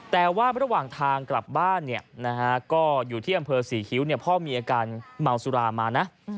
แต่ว่าระหว่างทางกลับบ้านก็อยู่ที่อำเภอศรีคิ้วพ่อมีอาการเมาสุรามานะ